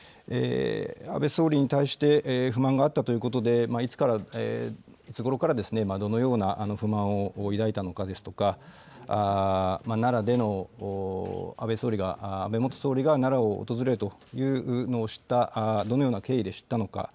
安倍総理に対して不満があったということで、いつごろからどのような不満を抱いたのかですとか、奈良での、安倍元総理が奈良を訪れるというのをどのような経緯で知ったのか。